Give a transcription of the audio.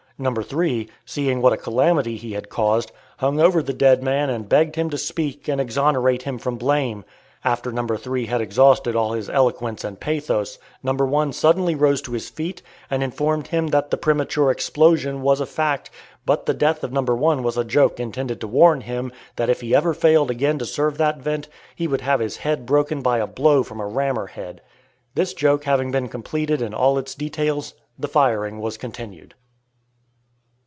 No. 3, seeing what a calamity he had caused, hung over the dead man and begged him to speak and exonerate him from blame. After No. 3 had exhausted all his eloquence and pathos, No. 1 suddenly rose to his feet and informed him that the premature explosion was a fact, but the death of No. 1 was a joke intended to warn him that if he ever failed again to serve that vent, he would have his head broken by a blow from a rammer head. This joke having been completed in all its details, the firing was continued.